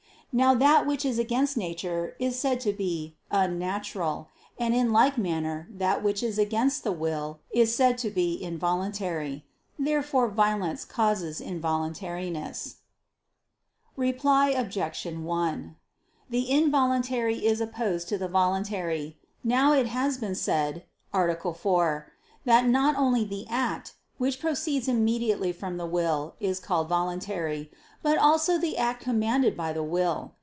Now that which is against nature is said to be "unnatural"; and in like manner that which is against the will is said to be "involuntary." Therefore violence causes involuntariness. Reply Obj. 1: The involuntary is opposed to the voluntary. Now it has been said (A. 4) that not only the act, which proceeds immediately from the will, is called voluntary, but also the act commanded by the will.